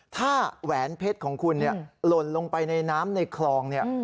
ถ้าแหวนเพชรของคุณหล่นลงไปในน้ำในคลองเนี่ย